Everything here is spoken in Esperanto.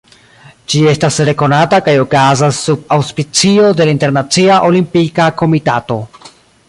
Ĝi estas rekonata kaj okazas sub aŭspicio de la Internacia Olimpika Komitato.